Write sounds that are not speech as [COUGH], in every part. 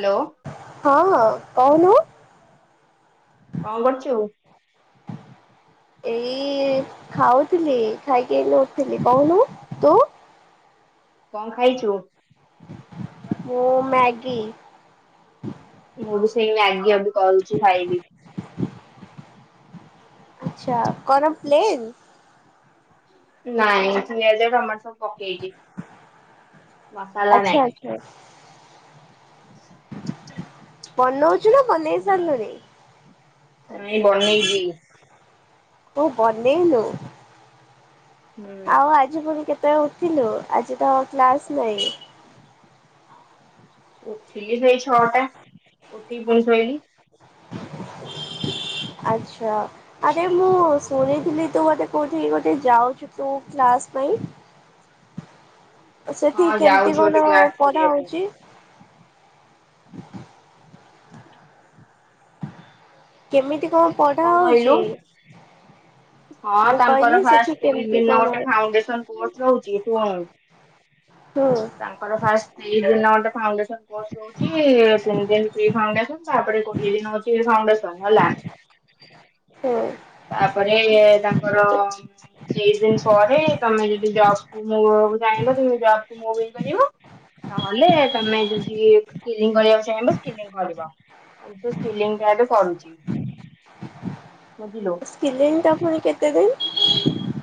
Hello ହଁ ହଁ କହୁନ। କଣ କରୁଚୁ? ଏଇ ଖାଉଥୁଲି ଖାଇକି ଏଇନା ଉଠିଲି କୋହୁନୁ ତୁ? କଣ ଖାଇଚୁ? ମୁଁ ମ୍ୟାଗି। ମୁଁ ବି ସେଇ ମ୍ୟାଗି ଏବେ କରୁଚି ଖାଇବି। ଆଛା କଣ ପ୍ଲେନ୍? ନାଇଁ ପିଆଜ ଟମାଟ ସବୁ ପକ୍ କେଇକି ମସଲା ଆଚ୍ଛା ମ୍ୟାଗି। ଆଚ୍ଛା ହ ବନଉଛୁ ନା ବନେଇ ସାରିଲୁଣି? ନାଇଁ ବନେଇବି। ଓ ବନେଇନୁ। ଆଉ ହୁଁ। ଆଜି ପୁଣି କେତେବେଳେ ଉଠିଲୁ ଆଜି ତ କ୍ଲାସ ନ। ହିଁ। ହ [INAUDIBLE] ଉଠଲି ସେଇ ଛଅଟା ଉଠିକି ପୁଣି ଶୋଇଲିି। ହ ଆଚ୍ଛା ଆରେ ମୁଁ ଶୁଣିଥିଲି ତୁ ଗୋଟେ କୋଉଠିକି ଗୋଟେ ଯାଉଛୁ ତୁ କ୍ଲାସ ପାଇଁ? ହା ସେଠି କେମତି ଗୋଟେ କଣ କ୍ଲାସ ପଢା କରିବାକୁ। ହଉଚି? ହୁ କେମିତି କଣ ପଢା ହଉଛି। ହଁ ମୁଁ ତାଙ୍କର କହିଲି ସେଠି ଫାଷ୍ଟ କେମିତି ତିନିଦିନ କଣ ଗୋଟେ ଫାଉଣ୍ଡେସନ କୋର୍ସ ରହୁଛି କୋଣ ହଁ ତାଙ୍କର ଫାଷ୍ଟ ଦିନ ଗୋଟେ ଫାଉଣ୍ଡେସନ କୋର୍ସ ରହୁଛି ତିନି ଦିନଫ୍ରି ଫାଉଣ୍ଡେସନ ତାପରେ କୋଡିଏ ଦିନହଉଚି ଫାଉଣ୍ଡେସନ ହେଲା ହଁ ତା ତାଙ୍କର କେଇ ଦିନ ପରେ ତମେ ଯଦି ଜବ କୁ ମୂଳରୁ ଯାଇଁଲ ଜବକୁୁ ମୋବିଲ କରିବ ନହେଲେ ତମେ ଯଦି ସିଂ କରିବାକୁ ଚାହିଁଲେ ସ୍କିନଂ କରିବ। ମୁ ସେ ସ୍କିଲ୍ଲିଂ ଟା ଏବେ କରୁଛିବୁଝିଲୁ। ସ୍କିଲିଙ୍ଗ ଟା ପୁଣି କେତେ ଦିନ?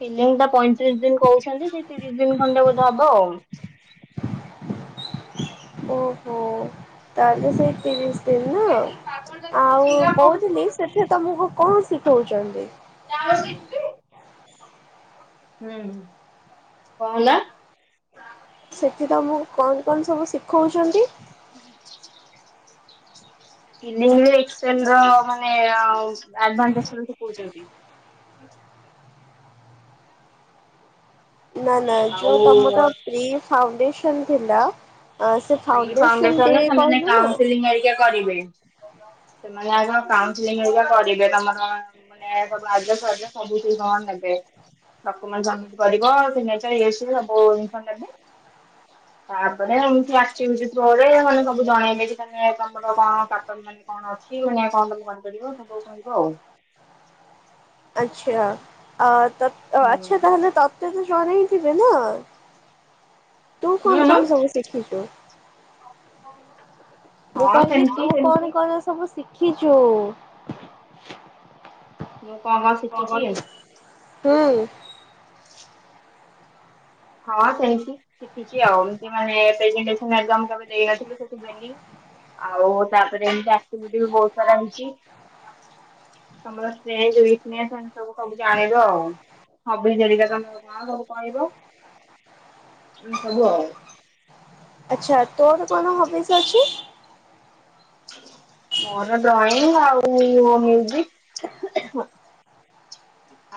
ସ୍କୀଲିଂ ଟା ପଇଁତିରିଶ ଦିନ କହୁଛନ୍ତି ସେ ତିରିଶ ଦିନ ଖଣ୍ଡେ ବୋଧେ ହବ ଆଉ ହ ଓହୋ ତାଲେ ସେଇ ତିରିଶ୍ ଦିନ ହୁଁ ନା ଆଉ କହୁଥିଲି ସେଠି ତମକୁ କଣ ଶିଖଉଛନ୍ତି? ଚା ଆଉ ସିଜୁଚି? ହୁଁ କଣ ହେଲା? ସେଠି ତମକୁ କଣ କଣ ସବୁ ଶିଖଉଛନ୍ତି? ହୁଁ [INAUDIBLE] ସ୍କିଲିନଗ ଏକ୍ସଲ ରମାନେ ଏଡଭାନ୍ସ ଏକ୍ସେଲ ଶିଖଉଛନ୍ତି। ଆ୍ା [INAUDIBLE] ନା ନା ଯୋଉ ତମର ଆଉ ପ୍ରି ଫାଉଣ୍ଡେସନ ଥିଲା ଆ ସେ ପ୍ରି ଫାଉଣ୍ଡେସନ ଡେ ରେ ସେମାନେ କହିଲୁ ନା କାଉନଶେଲିଙ୍ଗଏଇକା କରିବେ। ସେମାନେ ଆଗ କାଉନ ସିଲିଙ୍ଗ ହେକା କରିବେ ତମର ମାନେ ସବୁ [INAUDIBLE] ସବୁ ନେବେ। ଡକୁମେଣ୍ଟ ସ କରିବ ତିନି ଚାର ସବୁ ନେବେ ତାପରେ ଏମିତି ଆ ଟିମସ ଥ୍ରୋରେ ମାନେ ସବୁ ଜଣେଇେ ତମର କଣ କାଟ ମାନେ କଣ ଅଛି [INAUDIBLE] କରିପାରିବ ସବୁ କହିବ ଆଉ ଆଚ୍ଛା ତ ଆଚ୍ଛା ହୁଁ ତାହେଲେ ତତେ ତ ଜଣ ଥିବେ ନା ତୁ କଣ କଣ ସବୁ ଶିଖିଛୁ। ହଉ ସେ। [INAUDIBLE] ମୁଁ କହିବି ତୁ କଣ କ ସବୁ ଶିଖିଛୁ। ମୁଁ କଣ କଣ ଶିଖୀଛି। ହୁଁ। ହଁ ସେମିତି ଶିଖିଛି ଆଉ ଏମତି ମାନେଡେଜିନେସନ ଏଗଜାମ ଦେଇନଥିଲୁୁ। ଆଉ ତାପରେ ଏମତି ଆକଟିଭିଟି ଭ ବହୁତ ସାରା ହେଇଛି। ତମର ସ୍ନେକନେସ୍ ଏମ ସବୁ ସବୁ ଜାଣିବ ଆଉ। ହବିଜ ହେରିକା ତମର କଣ ସବୁ କହିବ। ଉ ସବୁ ଆଉ। ଆଛା ତୋର କଣ ହବିସ ଅଛି। [UNINTELLIGIBLE] ମୋର ଡ୍ରଇଂ ଆଉ-ଉ-ଉ-ଉ। [UNINTELLIGIBLE]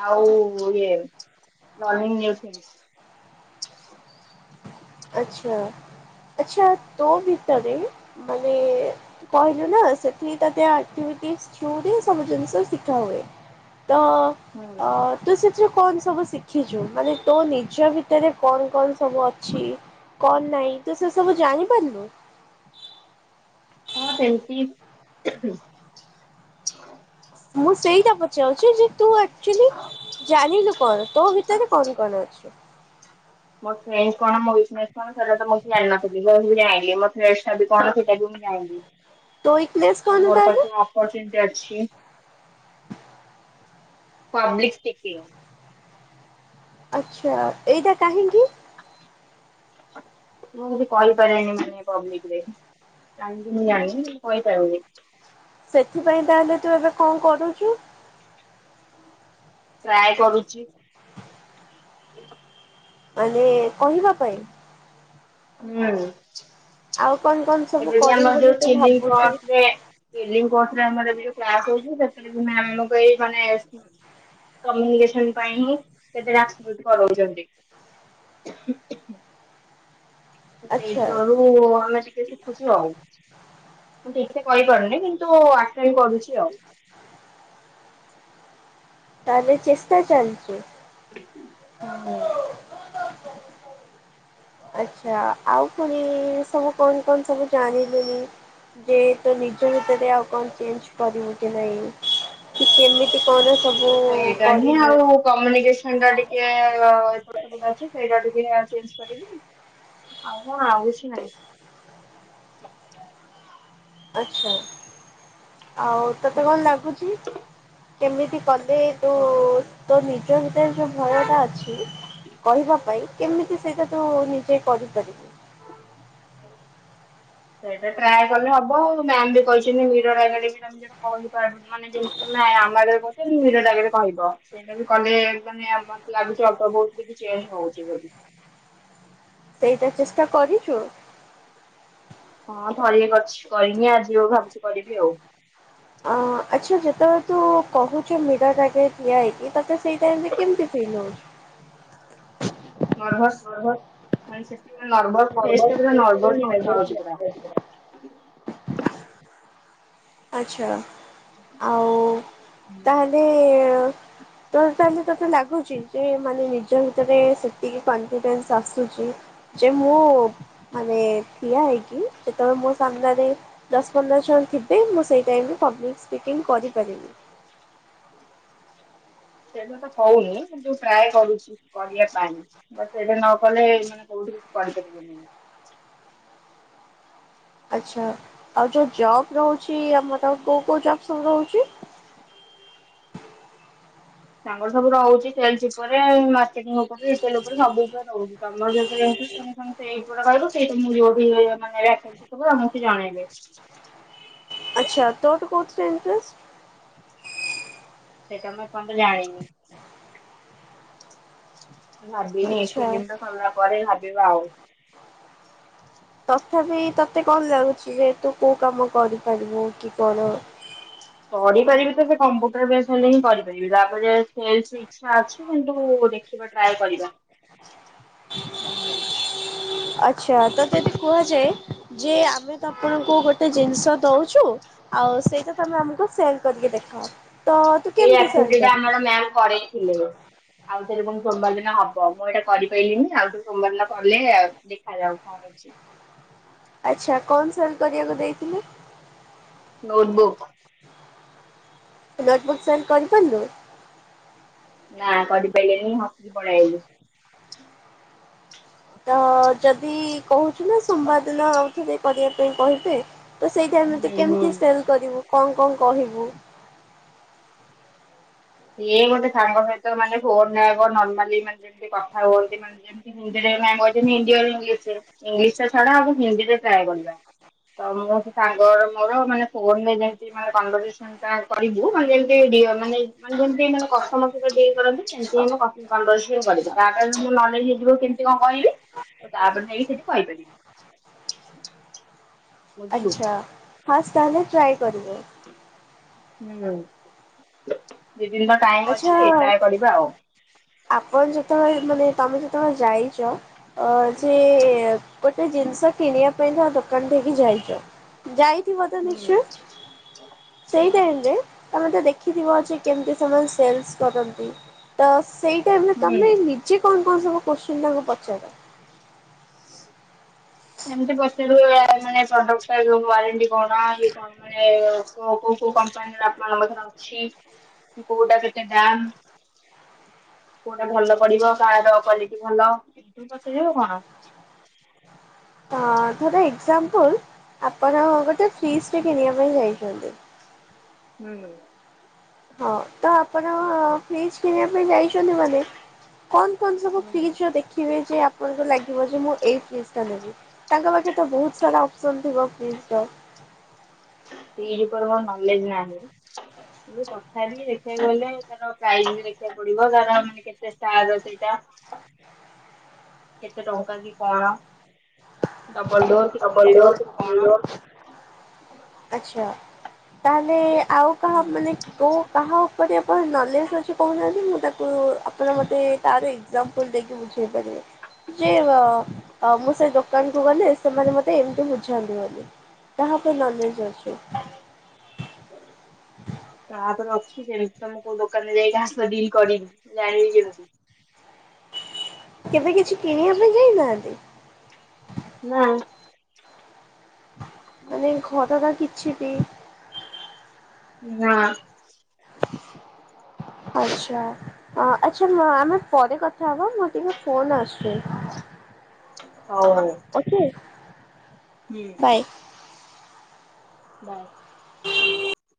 ଆଉ-ଉ-ଉ-ଉ ଇଏ [UNINTELLIGIBLE] [UNINTELLIGIBLE] ଆଚ୍ଛା। ଆଛା ତୋ ଭିତରେ ମାନେ-ଏ-ଏ-ଏ-ଏ କହିଲୁ ନା ସେଠି ତ ଆକ୍ଟି କି ଚୁଡ଼ି ସବୁ ଜିନିଷ ଶିଖା ହୁଏ ତ-ଅ-ଅ-ଅ ହୁଁ ଅ-ଅ-ଅ ତୁ ଶିଖି କଣ ସବୁ ଶିଖିଛୁ ମାନେ ତୋ ନିଜ ଭିତରେ କଣ କଣ ସବୁ ଅଛି କଣ ନାଇଁ ତୁ ସେ ସବୁ ଜାଣିପାରିଲୁ। ହଁ ସେମିତି। ମୁଁ ସେଇଟା ପଚାଉଛି ଯେ ତୁ ଅକଚୁଲି ଜାଣିଲୁ କଣ ତୋ ଭିତରେ କଣ କଣ ଅଛି। ମୋ ଷ୍ଟ୍ରେନ୍ତ୍ କଣ ମୋ ଉଇକ ନେସ କଣ ସେଟା ତ ମୁଁ କିଛି ଜାଣେନା। [UNINTELLIGIBLE] ସେଇଟା ବି ମୁଁ ଯାଣିନି। ତୋ ୱିକନେସ୍ ଆ କଣ ମୋର ତାହେଲେ? ପାଖକୁ ଅପର୍ଚୁନିଟି ଅଛି। ପବ୍ଲିକ ସ୍ପିକିଙ୍ଗ ଆଚ୍ଛା ଏଇଟା କାହିକି? ମୁଁ କିଛି କହିପାରେନି ମାନେ ପବଲିକରେ। କାହିଁକି ମୁଁ ଜାଣିିନି କହିପାରିବିନି। ସେଥିପାଇଁ ତାହେଲେ ତୁ ଏବେ କଣ କରୁଛୁ? ଟ୍ରାଏ କରୁଛି। ମାନେ କହିବା ପାଇଁ? ହୁଁ। ଆଉ କଣ କଣ ସବୁ ଏବେ ଯେ କରିବୁ ଆମର ବୋଲି ଯୋଉ ତୁ ଭାବୁଛୁ ଚିଲିଙ୍କରେ ଚିଲିକଟରେ ଆମର ବି ୟ ଯୋଉଁ କ୍ଲାସ ହେଉଛି [UNINTELLIGIBLE] ଏଇ ମାନେ କମିନି କେସନ ପାଇଁ ହିଁ [UNINTELLIGIBLE] ସେ କରଛନ୍ତି। [UNINTELLIGIBLE] ଆଚ୍ଛା ସେଇଥିରରୁ ଆମେ ଟିକେ ଶିଖୁଛୁ ଆଉ, ମୁ ଠିକ ସେ କହିପାରୁନି କିନ୍ତୁ-ଉ-ଉ-ଉ ଆଟେନ୍ କରୁଛି ଆଉ। ତାହଲେ ଚେଷ୍ଟା ଚାଲିଛି। ହୁଁ [UNINTELLIGIBLE] ଆଛା ଆଉ ପୁଣି-ଇ-ଇ-ଇ ସବୁ କଣ କଣ ସବୁ ଜାଣିଲୁନି ଯେ ତୁ ନିଜ ଭିତରେ ଆଉ କ ଚେଞ୍ଜ କରିବୁ କି ନାଇଁ କି କେମିତି କଣ ସବୁ-ଉ-ଉ-ଉ ସେଇଟା କରିବେ। ଟିକେ-ଏ-ଏ-ଏ ଏପଟ ସେପଟ ଅଛି ସେଇଟା ଟିକେ ଚେଞ୍ଜ କରିକି ଆଉ କଣ ଆଉ କିଛି ନାହିଁ। ଆଚ୍ଛା। ଆଉ ତତେ କଣ ଲାଗୁଛି କେମିତି କଲେ ହଁ ତୁ-ଉ-ଉ-ଉ ତ ନିଜ ଭିତରେ ଯୋଉ ଭୟ ଟା ଅଛି କହିବା ପାଇଁ କେମିତି ସେଇଟା ତୁ ନି ଯେ କରିପାରିବୁ। [UNINTELLIGIBLE] ସେଇଟା ଟ୍ରାଏ କଲେ ହବ ଆଉ ମ୍ୟାାମ ବି କହିଛନ୍ତି ମିରର ଆଗରେ [UNINTELLIGIBLE] କହିପାରୁନ ଯେମିତି ତମେ ଆ ଆମର ହଉ କି ମିରର ଆଗରେ କହିବ ସେଇଟା ବି କଲେ-ଏ-ଏ ମାନେ ମୋତେ ଲାଗୁଛି ଅଳ୍ପ ବହୁତ କିଛି ହଉଛି ବୋଲି। ସେଇଟା ଚେଷ୍ଟା କରିଚୁ? ହଁ ଥରେ ଏ କରିଛି କରିନି ଆଜି ଆଉ ଭାବୁଚି କରିବି ଆଉ। ଅଂ ଆଚ୍ଛା ଯେତେବେଳେ ତୁ କହୁଛୁ ମିରର ଆଗରେ ଠିଆ ହେଇକି ତତେ ସେଇ ଟାଇମରେ କେମିତି ଫିଲ୍ ହଉଛି? ନର୍ଭସ୍ [UNINTELLIGIBLE] ନର୍ଭସ୍ ଫେସ ଟା ପୁରା ନର୍ଭସ୍ ହିଁ ଦେଖା ହଉଛି ପୁରା। [INAUDIBLE] ଆଚ୍ଛା। ଆଉ ତା ହେଲେ ତ ତା ହେଲେ ତୋତେ ଲାଗୁଛି ଯେ ମାନେ ନିଜ ଭିତରେ ସେତିକି କନ୍ଫିଡେନ୍ସ ଆସୁଛି ଯେ ମୁଁ ମାନେ ଠିଆ ହେଇକି ଯେତେବେଳେ ମୋ ସାମ୍ନାରେ ଦଶ ପନ୍ଦର ଜଣ ଥିବ୍ ବେ। ମୁଁ ସେଇ ଟାଇମରେ ପବ୍ଲିକ୍ ସ୍ପିକିଂ କରିପାରିବି। ସେଇଟା ତ ହଉନି ଯୋଉ ଟ୍ରାୟ କରୁଛି କରିବା ପାଇଁ ବଟ୍ ସେଇଟା ନ କଲେ ମାନେ କୋଉଠିବି କରିପାରିବିନି। ଆଚ୍ଛା, ଆଉ ଯୋଉ ଜବ୍ ରହୁ ଛି ଆମର କୋଉ କୋଉ ଜବ୍ ସବୁ ରହୁଛି? ତାଙ୍କର ସବୁ ରହୁଛି ସେଲସ୍ ଉପରେ ମା କେଟିଙ୍ଗ୍ ଉପରେ ସେଲ୍ ଉପରେ ସବୁ ଉପରେ ରହୁଛି। ତମର ଯାଉଥିରେ ହଉଚି ତମେ ସେଇ ଉପରେ ରହିବ। ସେ ତୁମକୁ ଯଉଠି ତମର ଏ ଆସିଛି ସବୁ ମୁଁ କି ଜାଣିବି। ଆଚ୍ଛା, ତୋର କୋଉଥିରେ ଇଣ୍ଟରେଷ୍ଟ? ସେଇଟା ମୁଁ ଏପର୍ଯ୍ୟନ୍ତ ଜାଣିନି। ଭାବିନି ଆଚ୍ଛା। ସେଲିମଟା ସରିଲା ପରେ ଭାବିବା ଆଉ। ତଥାପି ତତେ କ'ଣ ଲାଗୁଛି ଯେ ତୁ କୋଉ କାମ କରିପାରିବୁ କି କ'ଣ? [INAUDIBLE] ପଢିପାରିବି ତ ସେ କମ୍ପ୍ୟୁଟର ବେଶ୍ ହେଲେ ହିଁ କରିପାରିବି। ତାପରେ ସେଲସରେ ଇଚ୍ଛା ଅଛି କିନ୍ତୁ ଦେଖ୍ ଖିବା ଟ୍ରାୟ କରିବା କ'ଣ ହଉଛି। ଛା ତତେ ଯଦି କୁହାଯାଏ ଯେ ଆମେ ତ ଆପଣଙ୍କୁ ଗୋଟେ ଜିନିଷ ଦଉଛୁ ଆଉ ସେ ତ ତମେ ଆମକୁ ସେଲ୍ କରିକି ଦେଖାଅ। ତ ତୁ ଏ କେମିତି ଏକ୍ଟିଭିଟୀ ସେଣ୍ଡ ଟା କରିବୁ? ଆମର ମ୍ୟାମ୍ କରେଇ ଥିଲେ। ଆଉ ଥରେ ପୁଣି ସୋମବାର ଦିନ ହ ବ ମୁଁ ଏଇଟା କରିବ୍ କହିଲିନି ଆଉ ଯଉ ସୋମବାର ଦିନ କଲେ ଦେଖାଯାଉ କ'ଣ ହେଉଛି। ଆଚ୍ଛା କ'ଣ ସେଲ୍ କରିବାକୁ ଦେଇଥିଲି? Notebook. Notebook sell କରିପାରିଲୁ? ନାଁ କରିପାଲେନି ହସିକି ପଳେଇ ଆଇଲି। ତ ଯଦି କହୁଛୁ ନା ସୋମବାର ଦିନ ଆଉଥରେ କରିବା ପାଇଁ କହିବେ। ତ ସେଇ ଟାଇମରେ ତୁ ହୁଁ ହୁଁ। କେମିତି ସେଲ୍ କରିବୁ କ'ଣ କ'ଣ କହିବୁ? ଇଏ ଗୋଟେ ସାଙ୍ଗ ସହିତ ମାନେ ଫୋନରେ ଆଗ ନର୍ମାଲି ମାନେ ଯେମତି କଥା ହୁଅନ୍ତି ମାନେ ଯେମତି ନିଜେ ଯେ ସେ ମ୍ୟାମ୍ କହିଛନ୍ତି ହିନ୍ଦୀ ଓର ଇଂଲିଶ୍ ରେ ଇଂଲିଶ୍ ରେ ଛଡା ଆଉ ହିନ୍ଦୀରେ ଟ୍ରାୟ କରିବା। ତ ମୁଁ ସେ ସାଙ୍ଗର ମୋର ମାନେ ଫୋନରେ ଯେମିତି ମାନେ କନ୍ଭରସେସନ୍ ଟା କରିବୁ ମାନେ ଯେମତି ଦିଅ ମାନେ ଯେମତି ମାନେ କଷ୍ଟମର ସହିତ ଡିଲ୍ କରନ୍ତି ସେମତି ମୁଁ କ କନ୍ଭରସିଏନ୍ କରିବି। ତାପରେ ମୁଁ ନଲେଜ୍ ହେଇଯିବ କେମତି କ'ଣ କହିବି ତାପରେ ଯାଇକି ସେଠି କହିପାରିବି। ବୁଝିଲୁ। ଆଚ୍ଛା, ଫାର୍ଷ୍ଟ ତାହେଲେ ଟ୍ରାୟ କରିବ? ହୁଁ, ଦି ଦିନର ଟାଇମ୍ ଆଚ୍ଛା ଅଛି ଟ୍ରାୟ କରିବା ଆଉ। ଆପଣ ଯେତେବେଳେ ମାନେ ତମେ ଯେତେବେଳେ ଯାଇଛ ଅ ଯେ ଗୋଟେ ଜିନିଷ କିଣିବା ପାଇଁ ତମ ଦୋକାନ ଠେ କି ଯାଇଛ ଯାଇ କି ବର୍ତ୍ତମାନ ହୁଁ ଇସ୍ୟୁ? ସେଇ ହୁଁ। ଟାଇମ୍ ରେ ତମେ ତ ଦେଖିଥିବ ଯେ କେମିତି ସେମାନେ ସେଲ୍ସ କରନ୍ତି। ତ ସେଇ ଟାଇମ୍ ରେ ହୁଁ ତମେ ନିଜେ କ'ଣ କ'ଣ ସବୁ ପଶ୍ଚିମବଙ୍ଗ ପଚାର। ସେମତି ପଚାରୁୁ ମାନେ ପ୍ରଡକ୍ଟ ଟା ଯୋଉ ୱାରେଣ୍ଟି କଣାଇ କଣ ମାନେ କ କୋଉ କୋଉ କମ୍ପାନୀରେ ଆପଣଙ୍କର ଅଛି। କଉଟା କି? ସେ ଦାମ୍ କୋଉଟା ଭଲ ପଡିବ କାହାର କ୍ଵାଲିଟି ଭଲ? ସେଓ କ'ଣ? ହଁ ଧର ଏକ୍ଜାମ୍ପଲ୍ ଆପଣ ଗୋଟେ ଫ୍ରୀଜ୍ ଟେ କିଣିବା ପାଇଁ ଯାଇ ହ [UNINTELLIGIBLE] ହୁଁ ହଁ, ତ ଆପଣ ଫ୍ରିଜ କିଣିବା ପାଇଁ ଯାଇଛନ୍ତି? ସେ ମାନେ [UNINTELLIGIBLE] କଣ କଣ ସବୁ ଫ୍ରିଜ ର ଦେଖିବେ ଯେ ଆପଣଙ୍କୁ ଲାଗିବ ଯେ- ମୁଁ ଏଇ ଫ୍ରିଜ ଟା ନେବି। ତାଙ୍କ ପାଖେ ତ ବହୁତ ସାରା ଅପସନ ଥିବ ସେଇ ଉପରେ ମୋର ନଲେଜ ନାହିଁ। ତଥା ବିି ଦେଖିବାକୁ ଗଲେ ତାର ପ୍ରାଇଜ ବି ଦେଖିବାକୁ ପଡିବ, ତାର ମାନେ କେତେ ଷ୍ଟାର୍ ସେଇଟା ଆ [UNINTELLIGIBLE] କେତେ ଟଙ୍କା କି କଣ? ଡବଲ ଡୋର୍ କି ସିଙ୍ଗଲ ଡୋର କି କଣ? ଆଛା, ତାହଲେ ଆଉ କାହା ମାନେ, କେଉଁ କାହା ଉପରେ ଆପଣ ନଲେଜ ଅଛି କହୁନାହାନ୍ତି, ମୁଁ ତାକୁ ଆପଣ ମୋତେ ତାର ଏକ୍ଜାମ୍ପଲ ଦେଇକି ବୁଝେଇ ପାରି ଯେ ମୁଁ ସେ ଦୋକାନ କୁ ଗଲେ, ସେମାନେ ମତେ ଏମିତି ବୁଝାନ୍ତି ବୋଲି କାହା ଉପ ନଲେଜ ଅଛି? ହ [UNINTELLIGIBLE] ତାପରେ ଅଛି, ସେମିତି ତମ କୋଉ ଦୋକାନରେ ଯାଇ ଆସ ଡିଲ୍ କରିବି, ମୁ ଜାଣିବି କେମିତି [INAUDIBLE] କେବେ କିଛି କିଣିବା ପାଇଁ ଯାଇନାହାନ୍ତି? ନା ମାନେ ଘରର କିଛି ବି ନା ଆଛା, ଆଛା ଆମେ ପରେ କଥା ହବା ମୋ ଟିକେ ଫୋନ ଆସଛି। ହଉ ଭ [UNINTELLIGIBLE] ଓକେ ହୁଁ ବାଏ। ବାଏ।